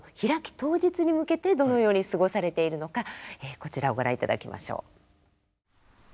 当日に向けてどのように過ごされているのかこちらをご覧いただきましょう。